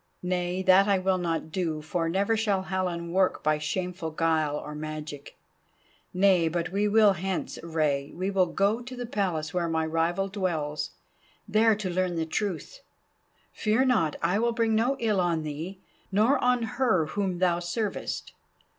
Nay, that I will not do, for never shall Helen work by shameful guile or magic. Nay—but we will hence, Rei, we will go to the Palace where my rival dwells, there to learn the truth. Fear not, I will bring no ill on thee, nor on her whom thou servest.